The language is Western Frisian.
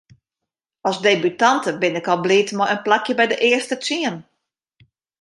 As debutante bin ik al bliid mei in plakje by de earste tsien.